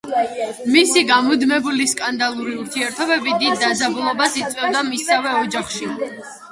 მისი გამუდმებული სკანდალური ურთიერთობები დიდ დაძაბულობას იწვევდა მისსავე ოჯახში.